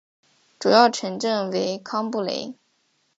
主要城镇为康布雷。